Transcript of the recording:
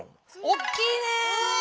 おっきいね。